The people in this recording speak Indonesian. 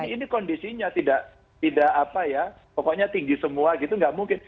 ini kondisinya tidak apa ya pokoknya tinggi semua gitu nggak mungkin